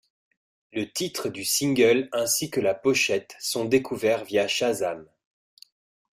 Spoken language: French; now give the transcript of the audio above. Le titre du single ainsi que la pochette sont découverts via Shazam.